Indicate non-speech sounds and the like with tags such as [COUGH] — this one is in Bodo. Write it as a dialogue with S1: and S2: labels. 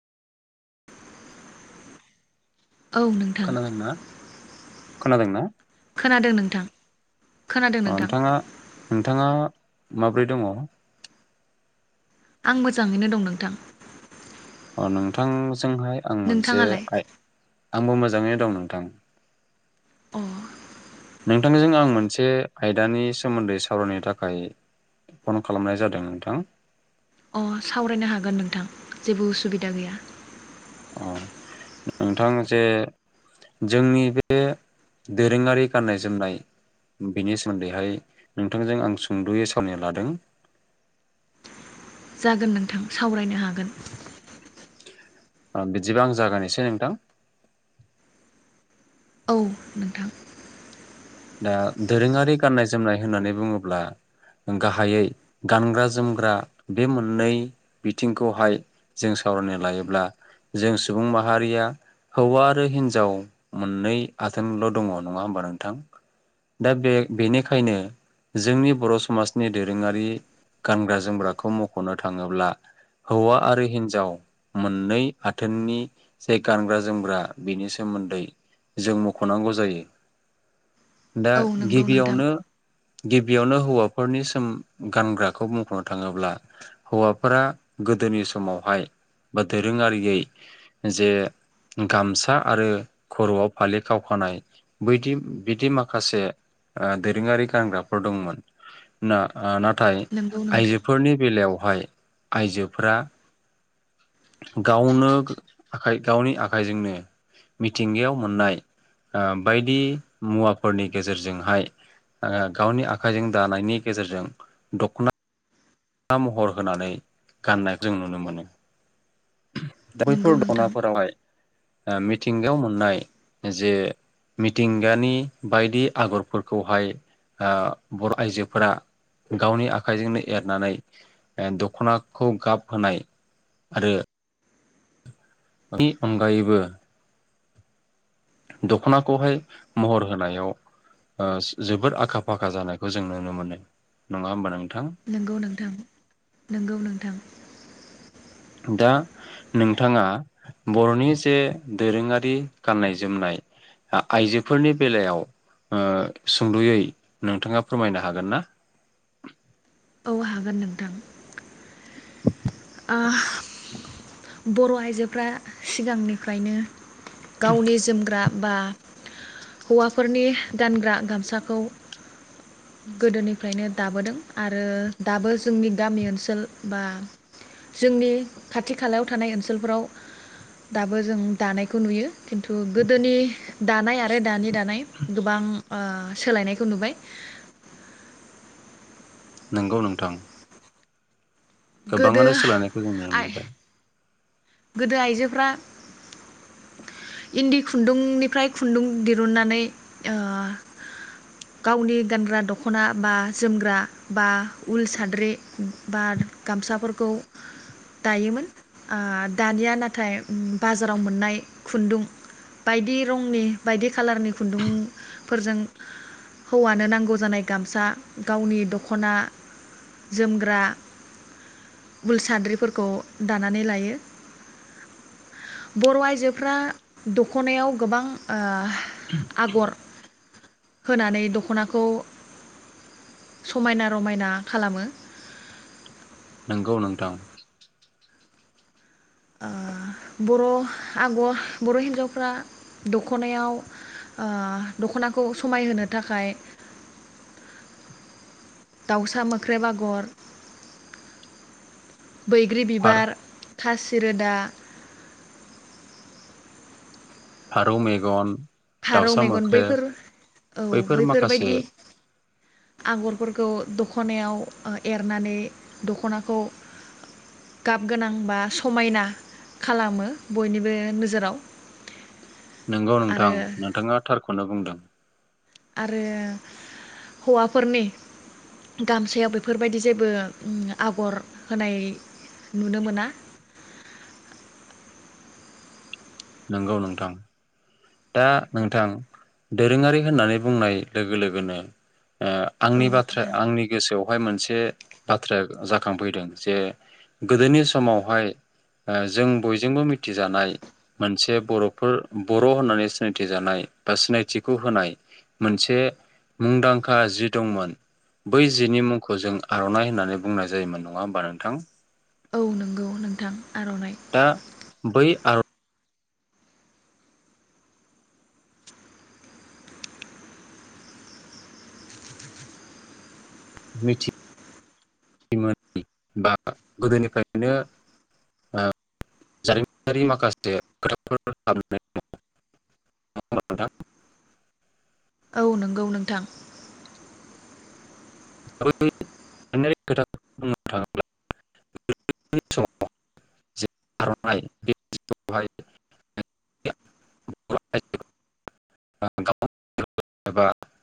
S1: औ नोंथां
S2: खोनादोंंना?
S1: खोनादों नोंथां। खोनादों
S2: अ
S1: नोंथां
S2: नोंथाङा नोंथाङा माब्रै दङ?
S1: आं मोजाङैनो दं नोंथां।
S2: अ नोंथां जोंहाय आं मोनसे
S1: नोंथाङालाय
S2: आइ आंबो मोजाङैनो दं नोंथां।
S1: अ
S2: नोंथांजों आं मोनसे आयदानि सोमोन्दै सावरायनो थाखाय फन खालामनाय जादों नोंथां।
S1: अ सावरायनो हागोन नोंथां जेबो उसुबिदा गैया।
S2: अ नोंथां जे जोंनि बे दोरोङारि गाननाय जोमनाय बिनि सोमोन्दैहाय नोंथांजों आं सुंदयै सावरायनो लादों।
S1: जागोन नोंथां सावरायनो हागोन।
S2: बिदिबा आं जागोनसै नोंथां
S1: औ नोंथां
S2: दा दोरोङारि गाननाय जोमनाय होननानै बुङोब्ला गाहायै गानग्रा जोमग्रा बे मोननै बिथिंखौहाय जों सावरायनो लायोब्ला जों सुबुं माहारिया हौवा आरो हिनजाव मोननै आथोनल' दङ नङा होमबा नोंथां? दा बे-बेनिखायनो जोंनि बर' समाजनि दोरोङारि गानग्रा जोमग्राखौ मखनो थाङोब्ला हौवा आरो हिनजाव मोननै आथोननि जे गानग्रा जोमग्रा बेनि सोमोन्दै जों मखनांगौ जायो। दा
S1: औ नंगौ नोंथां
S2: गिबियावनो गिबियावनो हौवाफोरनि सोम गानग्राखौ बुंखनो थाङोब्ला हौवाफोरा गोदोनि समावहाय बा दोरोङारि जे गामसा आरो खरआव फालि खावखानाय बैदि बिदि माखासे ओ दोरोङारि गानग्राफोर दंमोन ना ना नाथाय
S1: नंगौ नोंथां
S2: आइजोफोरनि बेलायावहाय आइजोफोरा गावनो आखाइ गावनि आखाइजोंनो मिथिंगायाव मोननाय ओ बायदि मुवाफोरनि गेजेरजोंहाय ओ गावनि आखाइजों दानायनि गेजेरजों दखना महर होनानै गाननाय जों नुनो मोनो। दा
S1: नंगौ
S2: बैफोर
S1: नोंथां
S2: दनाफोरावहाय ओ मिथिंगायाव मोननाय जे मिथिंगानि बायदि आगरफोरखौहाय बर आइजोफोरा गावनि आखाइजोंनो एरनानै ए दखनाखौ गाब होनाय आरो बि अनगायैबो दखनाखौहाय महर होनायाव ओ जोबोद आखा-फाखा जानायखौ जों नुनो मोनो नङा होमबा नों
S1: नंगौ नोंथां नंगौ नोंथां
S2: दा नोंथाङा बरनि जे दोरोङारि गाननाय जोमनाय आइजोफोरनि बेलायाव ओ सुंदयै नोंथाङा फोरमायनो हागोन ना?
S1: औ हागोन नोंथां। बर' आइजोफ्रा सिगांनिफ्रायनो गावनि जोमग्रा बा हौवाफोरनि गानग्रा गामसाखौ गोदोनिफ्रायनो दाबोदों आरो दाबो जोंनि गामि ओनसोल बा जोंनि खाथि खालायाव थानाय ओनसोलफोराव दाबो जों दानायखौ नुयो खिन्थु गोदोनि दानाय आरो दानि दानाय गोबां ओ सोलायनायखौ नुबाय
S2: नंगौ नोंथां
S1: गोदो
S2: गोबाङानो सोलायनायखौ जों नुनो
S1: आइ
S2: मोनबाय
S1: गोदो आइजोफ्रा इन्दि खुन्दुंनिफ्राय खुन्दुं दिरुननानै गावनि ओ गानग्रा दखना बा जोमग्रा बा उल साद्रि बा गामसाफोरखौ दायोमोन दानिया नाथाय बाजाराव मोननाय खुन्दुं बायदि रंनि बायदि खाालारनि खुन्दुंफोरजों हौवानो नांगौ जानाय गामसा गावनि दखना जोमग्रा उल साद्रिफोरखौ दानानै लायो बर' आइजोफ्रा द'खनायाव गोबां ओ आगर होनानै द'खनाखौ समायना रमायना खालामो
S2: नंगौ नोंथां
S1: बर' आग बर हिन्जावफ्रा दखनायाव द'खनाखौ समायहोनो थाखाय दाउसा मोख्रे आगर बैग्रि बिबार खासिरोदा
S2: फारौ मेगन
S1: फारौ
S2: दाउसा
S1: मेगन
S2: मोख्रेब
S1: बैफोर औ
S2: बैफोर माखासे
S1: बैफोरबायदि आगरफोरखौ द'खनायाव एरनानै दखनाखौ गाब गोनां बा समायना खालामो बयनिबो नोजोराव
S2: नंगौ
S1: आरो
S2: नोंथां नोंथाङा थारखौनो बुंदों
S1: आरो हौवाफोरनि गामसायाव बेफोरबायदि जेबो आगर होनाय नुनो मोना।
S2: नंगौ नोंथां दा नोंथां दोरोङारि होननानै बुंनाय लोगो लोगोनो ओ
S1: औ
S2: आंनि बाथ्रा
S1: नोंथां
S2: आंनि गोसोआव हाय मोनसे बाथ्राया जाखांफैदों जे गोदोनि समावहाय जों बयजोंबो मिथिजानाय मोनसे बरफोर बर' र होननानै सिनायथि जानाय बा सिनायथिखौ होनाय मोनसे मुंदांखा जि दंमोन बै जिनि मुंखौ जों आरनाइ होननानै बुंनाय जायोमोन नङा होमबा नोंथां
S1: औ नंगौ नोंथां आरनाइ
S2: दा बै आर बा गोदोनिफ्रायनो ओ जारिमिनारि माखासे खोथाफोर हाबनानै दंमोन
S1: औ नंगौ नोंथां।
S2: [UNINTELLIGIBLE]